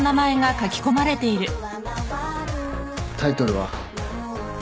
タイトルは？